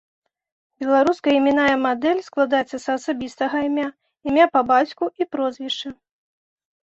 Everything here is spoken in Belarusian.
Беларуская іменная мадэль складаецца з асабістага імя, імя па бацьку і прозвішчы.